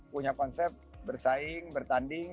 punya konsep bersaing bertanding